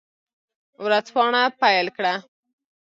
ورځپاڼه پیل کړه.